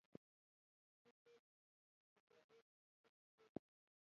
د علي ټول عمر په ګړزې ګړوزې کې تېر شو.